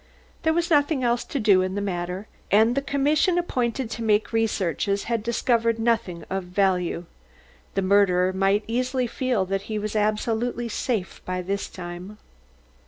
There was nothing else to do in the matter, and the commission appointed to make researches had discovered nothing of value. The murderer might easily feel that he was absolutely safe by this time.